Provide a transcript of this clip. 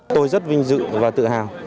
tôi rất vinh dự và tự hào